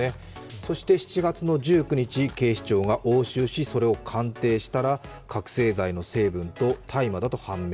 そして７月の１９日、警視庁が押収し、それを鑑定したら覚醒剤の成分と大麻だったと判明。